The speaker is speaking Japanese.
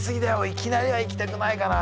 いきなりは行きたくないかな。